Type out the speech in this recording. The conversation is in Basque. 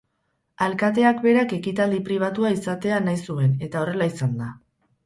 Alkateak berak ekitaldi pribatua izatea nahi zuen eta horrela izan da.